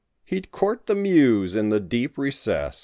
He'd court the Muse in the deep recess.